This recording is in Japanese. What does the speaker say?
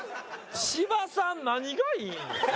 芝さん何がいいん？